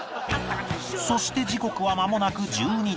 そして時刻はまもなく１２時